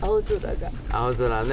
青空ね。